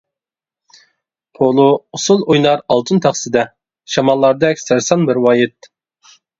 پولۇ ئۇسۇل ئوينار ئالتۇن تەخسىدە، شاماللاردەك سەرسان مەرۋايىت.